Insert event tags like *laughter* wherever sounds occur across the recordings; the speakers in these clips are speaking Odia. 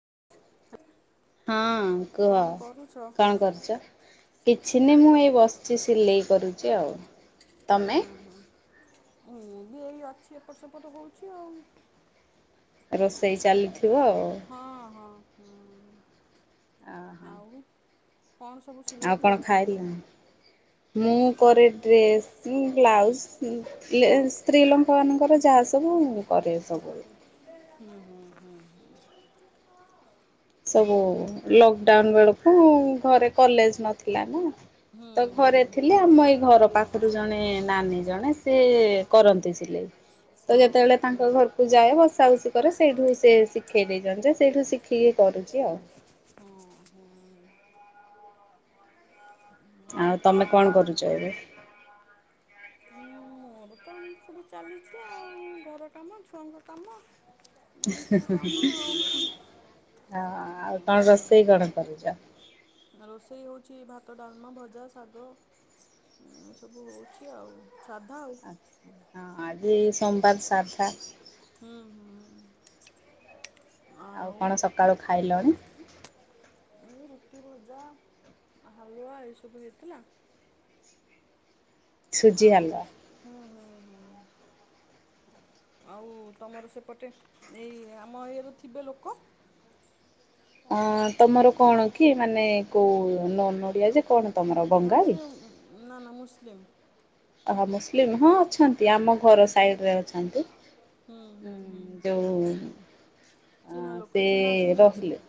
*unintelligible* ହଁ କୁହ କଣ କରୁଚ? କିଛି ନାଇଁ ମୁଁ ଏଇ ବସଚି ସିଲେଇ କରୁଚି ଆଉ। ହୁଁ, ହୁଁ। ମୁଁ ବି ଏଇ ଅଛି ଏପଟ ସେପଟ ହୋଉଚି ଆଉ। ରସ୍ ସେଇ ଚାଲିଥିବ ଆଉ। ହୁଁ। ଆ ହୋ। କଣ ସବୁ ସିଲେଇ କରୁଚୁ? ମୁଁ କରେ ଡ୍ରେସ୍, ବ୍ଲାଉଜ ସ୍ତ୍ରୀ ଲୋକ ମାନଙ୍କର ଯାହା ସବୁ ମୁଁ କରେ ସବୁ। ହୁଁ-ହୁଁ-ହୁଁ-ହୁଁ। ସବୁ ଲକଡାଉନ ବେଳକୁ ଘରେ କଲେଜ ନଥିଲା ନା ତ ଘରେ ଥି ଲି ଆମ ଏଇ ଘର ପାଖରୁ ଜଣେ ନାନୀ ଜଣେ ସେ କରନ୍ତି ସିଲେଇ ତ ଯେତେବେଳେ ତାଙ୍କ ଘରକୁ ଯାଏ ବସା ବସି କରେ ସେଇଠୁ ସେ ଶିଖେଇ ଦେଇଚନ୍ତି ଯେ ସେଇଠୁ ଶିଖିକି କରୁଚି ଆଉ। ଆଉ ତମେ କଣ କରୁଛ ଏବେ ମୋର ତ ସବୁ ଚାଲିଛି ଆଉ ଘର କାମ ଛୁଆଙ୍କ କାମ ଏ ସବୁ କାମ ଆଉ ରୋଷେଇ ହଉଛି ଭାତ ଭାତ ଡ଼ାଲମା ଭଜା ସାଗ। ହୁଁ ସବୁ ହଉଛି ଆଉ। ସାଧା ଆଉ। *unintelligible* ସୋମବାର ସାଧା। ଆଉ କଣ ସକାଳୁ ଖାଇଲାଣି। ମୁଁ ରୁଟି ଭଜା ହାଲୁଆ ଏଇସବୁ ହେଇଥିଲା। ହୁଁ ହୁଁ। ଆଉ ତମର ସେପଟେ ଏଇ ଆମ ଇଏରୁ ଥିବେ ଲୋକ। ଆଁ। ତମର କଣ କି ମାନେ କୋଉ ନନ୍ ଓଡ଼ିଆ ଯେ କଣ ତମର ବଙ୍ଗାଳୀ। *unintelligible* ଆଃ ମୁସଲିମ୍ ହଁ ଅଛନ୍ତି। ଏଇ ଆମ ଘର ସାଇଡ଼ରେ ଅଛନ୍ତି ଉଁ ଯେଉଁ ଆଁ ସେ ରହିଲେ।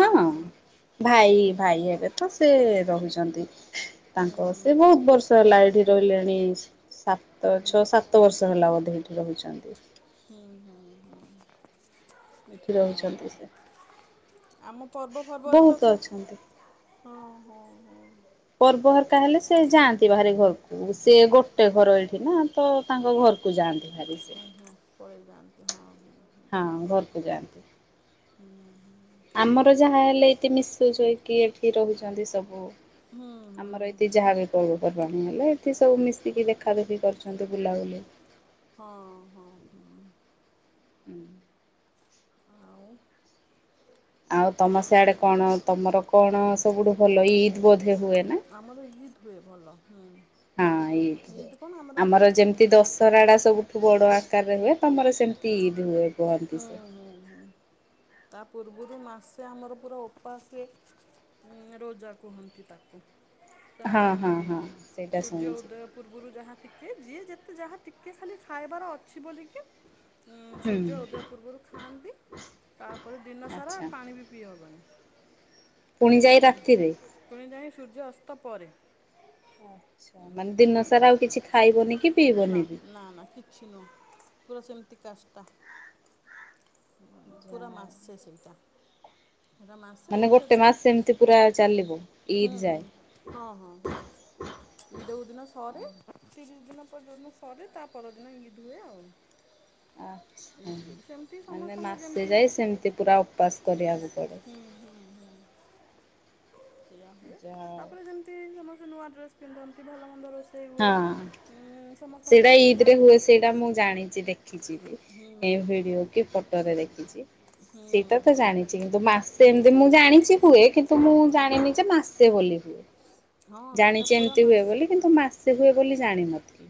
ହୁଁ ଭାଇ। ଏଇ ଭାଇ ହେବେ ତ ସେ ରହୁଛନ୍ତି। ତାଙ୍କ ସେ ବହୁତ ବର୍ଷ ହେଲା ଏଇଠି ରହିଲେଣି ସାତ ଛଅ ସାତ ବର୍ଷ ହେଲା ବୋଧେ ଏଇଠି ରହୁଛନ୍ତି। ଏଠି ରହୁଛନ୍ତି ସେ ବହୁତ ଅଛନ୍ତି। *unintelligible* ପର୍ବ ହରକା ହେଲେ ସେ ଯାଆନ୍ତି ଭାରି ଘରକୁ ସେ ଗୋଟେ ଘର ଏଇଠି ନା ତ ତାଙ୍କ ଘରକୁ ଯାଆନ୍ତି ଭାରି ସେ। ପଳେଇ ଯାଆନ୍ତି ହଁ। ହଁ ଘରକୁ ଯାଆନ୍ତି ଆମର ଯାହା ହେଲେ ଏଇଠି ମିଶୁଚେ କି ଏଠି ରହୁଛନ୍ତି ସବୁ। ଆମର ଏତି ଯାହା ବି କରୁ ପର୍ବାଣୀ ହେଲେ ଏଠି ସବୁ ମିଶିକି ଦେଖା ଦେଖି କରୁଛନ୍ତି ବୁଲାବୁଲି। ହୁଁ ଆଉ ତମ ସେଆଡେ କଣ ତମର କଣ ସବୁଠୁ ଭଲ ଇଦ ବୋଧେ ହୁଏ ନା ହଁ ଇଦ ହୁଏ ଆମର ଯେମତି ଦଶହରାଡା ସବୁଠୁ ବଡ ଆକାରରେ ହୁଏ ତମର ସେମିତି ଇଦ ହୁଏ କୁହନ୍ତି ସେ। ସେ ଆମର ପୁରା ଓପାସରେ ରୋଜା କୁହନ୍ତି ତାକୁ। ତ ଆମେ ସୂର୍ଯ୍ୟ ଉଦୟ ପୂର୍ବରୁ ଯାହା ଟେ ଯିଏ ଯେତେ ଯାହା ଟିକେ ଖାଲି ଖାଇବାର ଅଛି ବୋଲିକି। ଉଁ ସୂର୍ଯ୍ୟ ଉଦୟ ପୂର୍ବରୁ ଖାଆନ୍ତି ତାପରେ ଦିନ ସାରା ପାଣି ବି *unintelligible* ସେମିତି। *unintelligible* ସୂର୍ଯ୍ୟ ଅସ୍ତ ପରେ। ଆଛା ମାନେ ଦିନ ସାରା ଆଉ କିଛି ଖାଇବନି କି ପିଇବନି ବି। ଅତି କଷ୍ଟ। ପୁର ମାସେ ସେଇଟା। ସେଟା ମାସେ ସେଥି ହୁଁ ହୁଁ ହଁ ହଁ ହଁ ଯୋଉ ଦିନ ସରେ ତିରିଶ ଦିନ ପରେ ଯୋଉଦିନ ସରେ ତା ପର ଦିନ ଇଦ୍ ହୁଏ ଆଉ। ଆଚ୍ଛା ମାନେ ମାସେ ଯାଇ ସେମିତି ପୁରା ଉପାସ କରିବାକୁ ପଡେ। ସେଇୟା ହୁଏ ତାପରେ ଯେମିତି ସମ ନୂଆ ଡ୍ରେସ ପିନ୍ଧନ୍ତି ଭଲ ମନ୍ଦ ହଁ ସେଇଟା ଇଦ୍ ରେ ହୁଏ ସେଇଟା ମୁଁ ଜାଣିଚି ଦେଖିଚି ବି। ଏଇ ଭିଡିଓ କି ଫଟୋରେ ଦେଖିଚି। ସେଇଟା ତ ଜାଣିଚି କିନ୍ତୁ ମାସେ ଏମତି ମୁଁ ଜାଣିଚି ହୁଏ କିନ୍ତୁ ମୁଁ ଜାଣିନି ଯେ ମାସେ ବୋଲି ହୁଏ। ଜାଣିଚି ଏମତି ହୁଏ ବୋଲି କିନ୍ତୁ ମା ବୋଲି ଜାଣି ନଥିଲି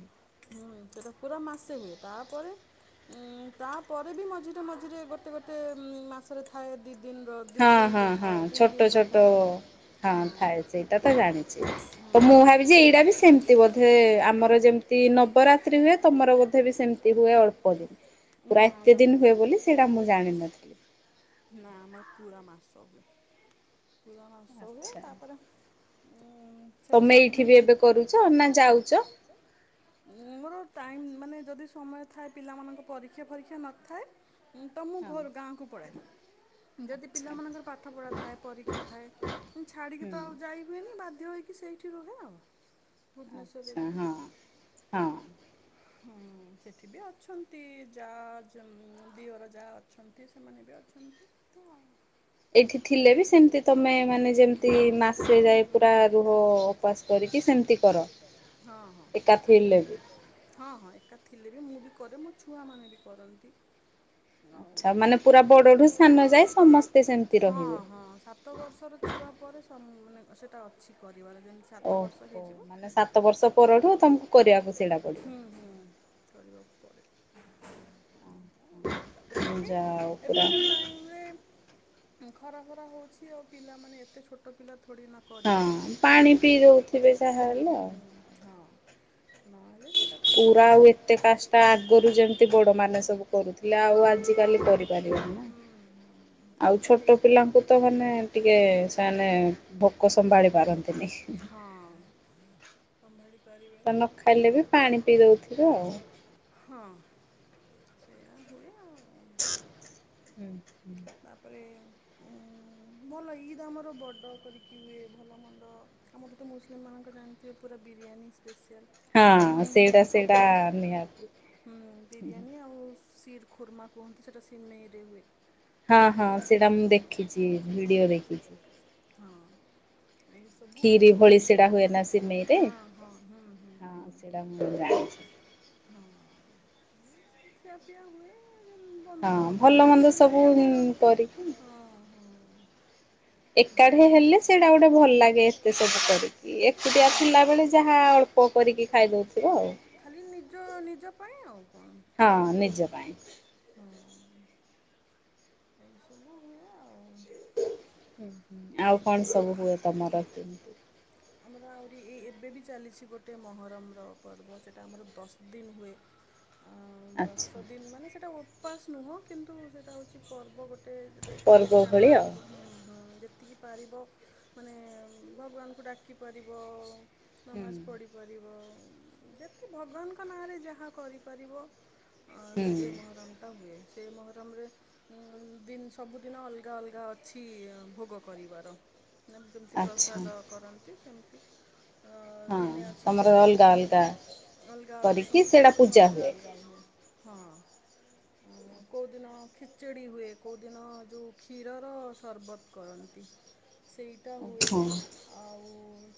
ହୁଁ ସେଟା ପୁରା ମାସେ ହୁଏ ତାପରେ ଉ ତାପରେ ବି ମଝିରେ ମଝିରେ ଗୋଟେ ଗୋଟେ ମାସରେ ଥାଏ ଦି ହଁ ହଁ ହଁ ଛୋଟ ଛୋଟ ହଁ ଥାଏ ସେଇଟା ତ ଜାଣି ତ ମୁଁ ଭାବିଚି ଏଇଟା ବି ସେମିତି ବୋଧେ ଆମର ଯେମିତି ନବରାତ୍ରି ହୁଏ ତମର ବୋଧେ ବି ସେମିତି ହୁଏ ଅଳ୍ପ ଦିନ୍। ନା ନା ନା ଆମର ପୁରା ମା। *unintelligible* ପୁରା ମାସ ହୁଏ ତାପରେ ହୁଁ ସେଟା ସରିଲେ ଇଦ୍ ମୋର ଟାଇମ ମାନେ ଯଦି ସମୟ ଥାଏ ପିଲାମାନଙ୍କ ପରୀ କ୍ଷା ପରୀକ୍ଷା ନଥାଏ। ଉଁ ତମ ଘର ଗାଁକୁ ପଳାଏ। ଯଦି ପିଲାମାନଙ୍କର ପାଠ ପଢା ଥାଏ ପରୀକ୍ଷା ଥାଏ ଉଁ ଛାଡିକି ତ ଆଉ ଯାଇ ହୁଏନି ବା ଧ୍ୟ ହୋଇକି ସେଇଠି ରୁହେ ଆଉ। ଆଚ୍ଛା ହଁ ହଁ। ହୁଁ ସେଠି ବି ଅଛନ୍ତି ଯା ଦିଅର ଯାହା ଅଛନ୍ତି ସେମାନେ ବି ଅଛନ୍ତି ଏମିତି ଆ ଏଇଠି ଥିଲେ ବି ସେମତି ତମେ ମାନେ ଯେମତି ମାସେ ଯାଏ ପୁରା ରୁହ ଓପାସ କରିକି ସେମିତି କର ଏକା ଥିଲେ ବି। ହଁ ହଁ ଏକା ଥିଲେ ବି ମୁଁ ବି କରେ ମୋ ଛୁଆମାନେ ବି କରନ୍ତି। ହଁ ହଁ ସାତ ବର୍ଷର ଛୁଆ ପରେ ସମ ମାନେ ସେଟା ଅଛିି କ ଓହୋ ମାନେ ସାତ ବର୍ଷ ପରଠୁ ତମକୁ କରିବାକୁ ସେଡା ହୁଁ ହୁଁ ତାପରେ ଏବେ ଏବେକା ଟାଇମ ରେ ଖରା ଖରା ହଉଛି ଆଉ ପିଲମାନୋନେ ଏତେ ଛୋଟ ପିଲା କୁ ଥୋଡି ନା କରିପାରିବେ ହଁ ହଁ। ପୁରା ଆଉ ଏତେ କାଷ୍ଟା ଆଗରୁ ଯେମିତି ବଡ ମାନେ ସବୁ କରୁଥିଲେ ଆଉ ଆଜିକାଲି କରିପାରିବେନି ନା ଆଉ ଛୋଟ ପିଲାଙ୍କୁ ତ ମାନେ ଟିକେ ସେମାନେେ ଭୋକ ସମ୍ଭାଳି ପାରନ୍ତିନି। ସଂଭାଳି ତ ନଖାଇଲେବି ପାଣି ପିଉଦେଉ ଥିବେ ଆଉ ସେଇଆ ହୁଏ ଆଉ। *inaudible* ଉଁ ଭଲ ଇଏତ ଆମର ବଡ କରିକି ହୁଏ ଭଲ ମଣ୍ଡ ଆମର ତ ତ ମୁସଲିମ ମାନଙ୍କ ଜାଣିଥିବେ ପୁରା ବିରିୟାନୀ ଆ ହୁଁ ସୁ ହୁଁ ବିରିୟାନୀ ଆଉ ସିର ଖୁର୍ମା କୁହନ୍ତି ସେଟା ସିମେଇରେ ହୁଏ। ହଁ ହଁ ସେଇଟା ମୁଁ ଦେଖିଛି ଭିଡିଓ ଦେଖିଛି। ଏ ସବୁ ହୁଏଁ ହଁ ହଁ ହଁ ହଁ। *unintelligible* କ ପି ହୁଏ। ବନ୍ଧୁ ଘରକୁ ଯାଆନ୍ତି ମୁଣ୍ଡିଆ ମାରନ୍ତି ହଁ ହୋଁ। ଏକାଠି ହେଲେ ସେଇଟା ଗୋଟେ ଭଲ ଲାଗେ ଏତେ ସବୁ କରିକି ଏକୁଟିଆ ଥିଲା ବେଳେ ଯାହା ଅଳ୍ପ କରିକି ଖାଇଦଉଥିଲ। ଖାଲି ନିଜ ନିଜ ପାଇଁ ଆଉ କଣ ହ। ଏଇ ସବୁ ହ ଆଉ *inaudible* ହ ହୁ *inaudible* ଆଉ କଣ ସବୁ ହୁଏ ତମର କେମିତି? ଆମର ଆହୁରି ଏଇ ଏବେ ବି ଚାଲିଛି ଗୋଟେ ମହରମର ପର୍ବ ସେଇଟା ଆମର ଦଶ ଦିନ ହୁଏ। ଆଉ ଦଶ ଦିନ ମାନେ ସେଟା - ଉପାସ ନୁହଁ କିନ୍ତୁ ସେଇଟା ହଉଛି ପର୍ବ ଗୋଟେ ଗୋଟେ ଯେତିକି ଚାପାରିବ ହଁ ଟିକେ ପାରିବ ମାନେ ଭଗବାନଙ୍କୁ ଡାକିପାରିବ। ନମାଜ ପଡିି ପାରିବ। ଯେତେ ଭଗବାନଙ୍କ ନାଁରେ ଯାହା କରିପାରିବ। ହଁ ସେ ଏ ମହରମଟା ହୁଏ। ସେ ମହରମରେ ଦିନ ସବୁଦିନ ଅଲଗା ଅଲଗା ଅଛି ଭୋଗ କରିବାର। ଯେମିତି ପ୍ରସାଦ କରନ୍ତି ସେମି ଅ ଦିନେ ଅଛି ଖେଚେଡି କରିବାର ଅଲଗା ଅଲଗା ସବୁଦିନ ଗୋଟେ ଅଲଗା ଅଲଗା ହୁଏ। ହଁ କୋଉଦିନ ଖେଚେଡ଼ି ହୁଏ କୋଉଦିନ ଯୋଉ କ୍ଷୀରର ସରବତ କରନ୍ତି। ସେଇଟା ହୁଏ ଆଉ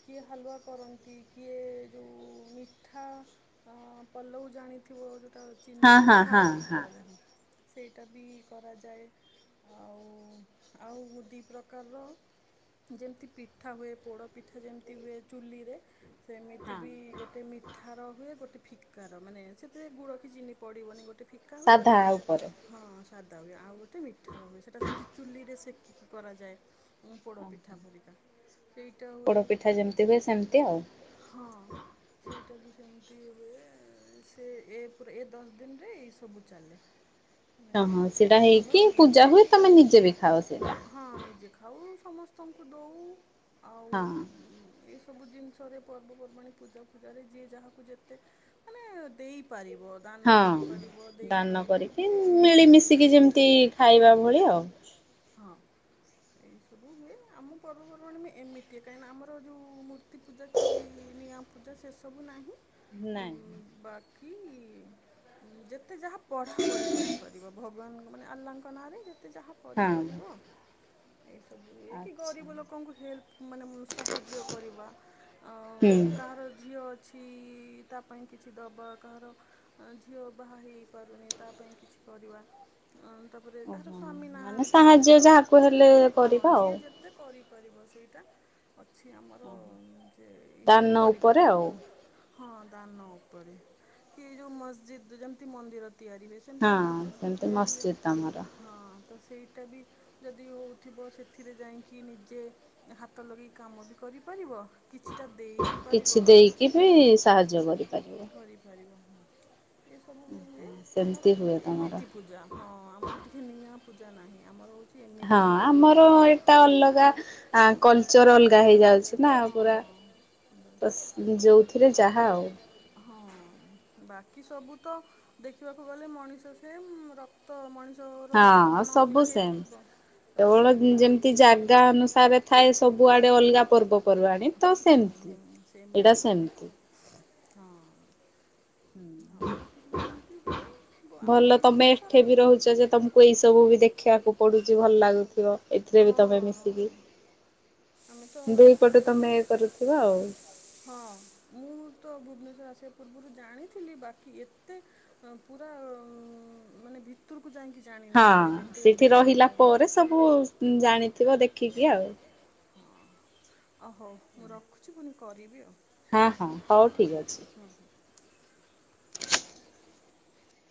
କିଏ ହାଲୁଆ କରନ୍ତି କିଏ ଯୋଉ ମିଠା ପଲଉ ଜାଣିଥିବ ଯୋ ତ ଚିନି ମିଠା କରିକି କରାଯାଏ। ସେଇଟା ବି କରାଯାଏ ଆଉ ଆଉ ଦି ପ୍ର କାରର ଯେମିତି ପିଠା ହୁଏ ପୋଡ଼ପିଠା ଯେମିତି ହୁଏ ଚୁଲିରେ। ସେମିତି ବି ଗୋଟେ ମିଠା ର ହୁଏ ଗୋଟେ ଫିକାର ମାନେ ସେଥିରେ ଗୁଡ କି ଚିନି ପଡିବନି ଗୋଟେ ଫିକା ହୁଏ ହଁ ନାଦା ହୁଏ ଆଉ ଗୋଟେ ମିଠା ର ହୁଏ ସେଇଟା ସେମିତି ଚୁଲିରେ ସେକିକି କରାଯାଏ। ମୁଁ ପୋଡ଼ପିଠା ପରିକା। ସେଇଟା ହୁଏ ହଁ ସେଇଟା ବି ସେମି ତି ହୁଏ ସେ ପୁରା ଏ ଦଶ ଦିନରେ ଏ ସବୁ ଚାଲେ। ଅ ହଁ ସେଟା ହେଇକି ପୂଜା ହୁଏ ତମେ ନିଜେ ବି ଖାଅ ସେଇଟା? ଖାଉ ସମସ୍ତଙ୍କୁ ଦୋଉ। ହଁ। ଏସବୁ ଜିନିଷରେ ପର୍ବପର୍ବାଣି ପୂଜା ଫୂଜାରେ ଯିଏ ଯାହାକୁ ଯେତେ ମାନେ ଦେଇପାରି ହଁ ଦାନ କରିକି ମିଳିମିଶିକି ଯେମିତି ଖାଇବା ଭଳି ଆଉ। ଏଇସବୁ ହୁଏ ଆମ ପର୍ବପର୍ବାଣିୀ ବି ଏମିତି କାହିଁକିନା ଆମର ଯେଉଁ ମୂର୍ତ୍ତି ପୂଜା କି ନିଆଁ ପୂଜା ସେସବୁ ନାହିଁ। ନାଇଁ। କି ଯେତେ ଯାହା ପଢ଼ାପଢ଼ି କରିପାରିବ ଭଗବାନ ମାନେ ଆଲ୍ଲାଙ୍କ ନାଁରେ ଯେ ତେ ଯାହା କରିପାରିବ। ଏଇସବୁ ହୁଏ କି ଗରିବ ଲୋକଙ୍କୁ ହେଲ୍ପ ମାନେ ସାହାଯ୍ୟ କରିବା କାହାର ଝିଅ କିଛି ତା ପାଇଁ କିଛି ଦବା କାହାର ଝିଅ ବାହା ହେଇପାରୁନି ତା ପାଇଁ କିଛି କରିବା। ଓହୋ ମାନେ ସାହାଯ୍ୟ ଯାହାକୁ ହେଲେ। ହଁ ଯିଏ ଯେତେ କରି ପାରିବ ସେଇଟା। ଅଛି ଆମର ଯେ ଏଇସବୁ କରିପାରିବ। ହଁ ଦାନ ଉପରେ କି ଯୋଉ ମସଜିଦ ଯେମତି ମନ୍ଦିର। ତିଆରିି ହୁଏ ସେମିତି ମସଜିଦ୍ ବି ତିଆରି ହୁଏ ହଁ। ତ ସେଇଟା ବି ଯଦି ହଉ। ଥିବ ସେଥିରେ ଯାଇକି ନିଜେ ହାତ ଲଗେଇ କାମ ବି କରିପାରିବ। କିଛିଟା ଦେଇ ବିି ପାରିବ କରିପାରିବ ହଁ। ଆଚ୍ଛା ସେମିତି ହୁଏ ତମର। ପୂଜା ନାହିଁ ଆମର ହଉ। ହଁ। ଆମର ଏଇଟା ଅଲଗା ଆ କଲଚର ଅଲଗା ହେଇଯାଉଛି ନା ପୁରା ତ ଯେଉଁଥିରେ ଯାହା ଆଉ। ହଁ ବାକି ସବୁ ତ ଦେଖିବାକୁ ଗଲେ ମଣିଷ ସେମ ରକ୍ତ ମଣିଷ। ହଁ ସବୁ ସେମ୍। ସବୁ ସେମ ବା ଆଖି ହୁଁ ହୁଁ ସେମିତି ହୁଏ ଆଉ। ହଁ। ଆଉ ବାକି ସବୁ ଏମତି ହୁଏ ଆମର ବି ବହୁତ ସାରା ଅଛି। ହଁ ହଁ ଆମେ ତ ଉଣେଇଶ କୋଡିଏ ହଁ ମୁଁ ତ ଭୁନେଶ ସେ ପୂର୍ବରୁ ଜାଣିଥିଲି ବାକି ଏତେ ପୁରା ମାନେ ଭିତରୁ। କୁ ଯାଇକି ଜାଣିନଥିଲି ଯେତେ ଏବେ ଜାଣି ପାରୁଛି। ସବୁ ଜାଣିଥିବ ଦେଖିକି ଆଉ। ହଁ ଅ ହଉ ମୁଁ ରଖୁଛି ପୁନି। କରିବି ଆଉ। ହଁ ହଁ ହଉ ଠିକ ଅଛି।